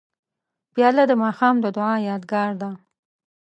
پیاله د ماښام د دعا یادګار ده.